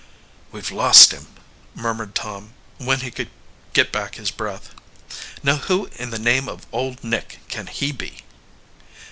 "We've lost him!" murmured Tom, when he could get back his breath. "Now who in the name of Old Nick can he be?"